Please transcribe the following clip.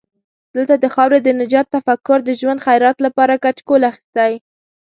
دلته د خاورې د نجات تفکر د ژوند خیرات لپاره کچکول اخستی.